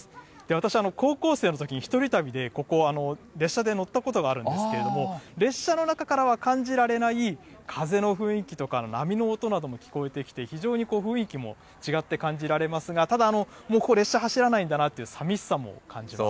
私、高校生のときに一人旅で、ここ、列車で乗ったことがあるんですけれども、列車の中からは感じられない風の雰囲気とか、波の音なども聞こえてきて、非常に雰囲気も違って感じられますが、ただ、もうここ、列車は走らないんだなそうですね。